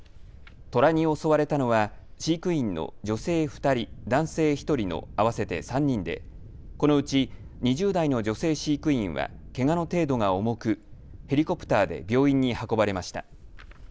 トラに襲われたのは飼育員の女性２人、男性１人の合わせて３人でこのうち２０代の女性飼育員はけがの程度が重くヘリコプターで病院に運ばれました。